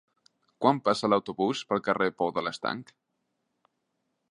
Quan passa l'autobús pel carrer Pou de l'Estanc?